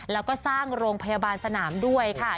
แล้วก็สร้างโรงพยาบาลสนามด้วยค่ะ